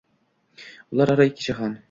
Ular aro ikki jahon